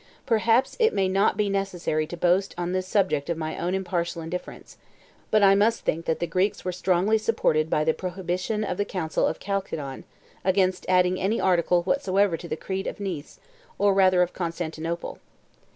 Perhaps it may not be necessary to boast on this subject of my own impartial indifference; but I must think that the Greeks were strongly supported by the prohibition of the council of Chalcedon, against adding any article whatsoever to the creed of Nice, or rather of Constantinople.